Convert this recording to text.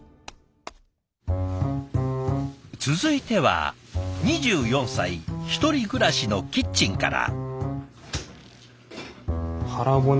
続いては２４歳１人暮らしのキッチンから。